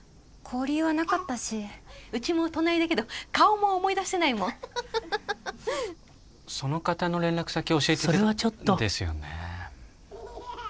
交流はなかったしうちも隣だけど顔も思い出せないもんその方の連絡先教えてそれはちょっとですよね